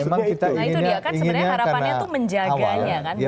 sebenarnya harapannya itu menjaganya